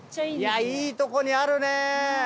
いやいいとこにあるね。